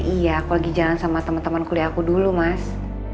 iya aku lagi jalan sama teman teman kuliah aku dulu mas